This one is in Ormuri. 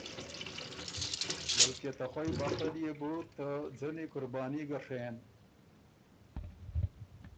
بلکې ته خوئ بخره ليې بُو ته ځنی قرباني ګۀ ڒېن۔